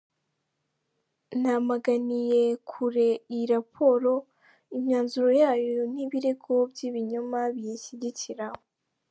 Namaganiye kure iyi raporo, imyanzuro yayo n’ibirego by’ibinyoma biyishyigikira.